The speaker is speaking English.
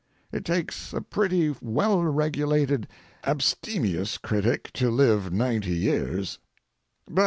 It takes a pretty well regulated, abstemious critic to live ninety years.